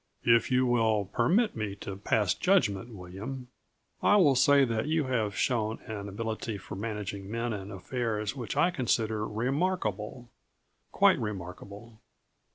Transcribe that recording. "If you will permit me to pass judgment, William, I will say that you have shown an ability for managing men and affairs which I consider remarkable; quite remarkable.